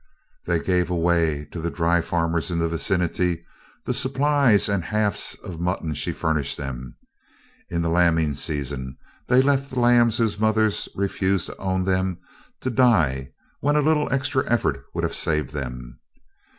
They gave away to the dry farmers in the vicinity the supplies and halves of mutton she furnished them. In the lambing season they left the lambs whose mothers refused to own them to die when a little extra effort would have saved them.